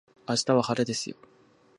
明日は晴れですよ